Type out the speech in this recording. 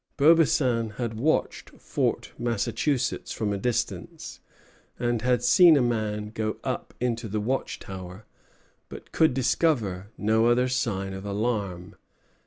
Beaubassin had watched Fort Massachusetts from a distance, and had seen a man go up into the watch tower, but could discover no other sign of alarm.